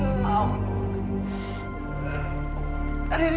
lupa sampai prestasi